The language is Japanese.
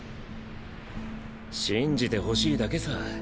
信じてほしいだけさ。